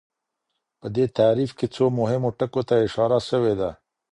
په دې تعريف کي څو مهمو ټکو ته اشاره سوي ده.